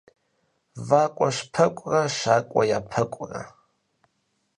ВакӀуэщпэкӀурэ щакӀуэ япэкӀуэрэ.